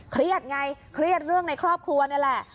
เครียดไงเครียดเรื่องในครอบครัวนี่แหละ